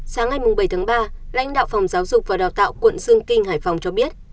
sáng ngày bảy tháng ba lãnh đạo phòng giáo dục và đào tạo quận dương kinh hải phòng cho biết